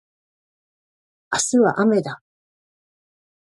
明日はあめだ